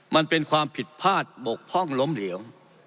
มันเป็นความผิดพลาดบกพร่องล้มเหลว